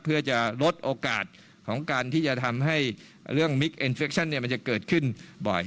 เพื่อจะลดโอกาสของการที่จะทำให้เรื่องมิคเอ็นเฟคชั่นมันจะเกิดขึ้นบ่อย